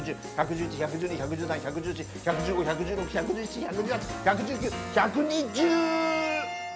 １１１１１２１１３１１４１１５１１６１１７１１８１１９１２０。